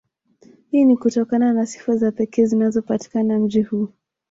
Hii ni kutokana na sifa za pekee zinazopatikana mji huu